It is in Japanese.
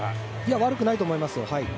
悪くないと思います。